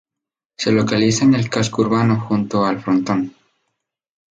Se localiza en el casco urbano, junto al frontón.